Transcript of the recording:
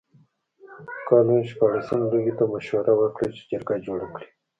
کالون شپاړسم لویي ته مشوره ورکړه چې جرګه جوړه کړي.